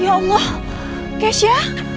ya allah kecia